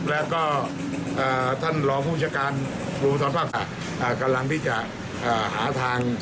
แล้วก็พุทธศาสตร์ฝากสะาตุกำลังวิจัยหาทาง